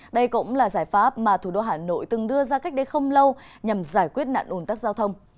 đây cũng là giải pháp mà thủ đô hà nội từng đưa ra cách đây không lâu nhằm giải quyết nạn ồn tắc giao thông